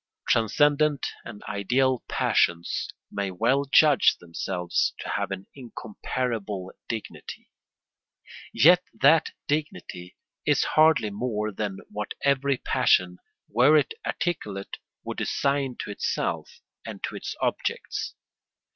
Transcendent and ideal passions may well judge themselves to have an incomparable dignity. Yet that dignity is hardly more than what every passion, were it articulate, would assign to itself and to its objects.